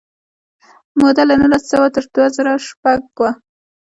موده له نولس سوه تر دوه زره شپږ وه.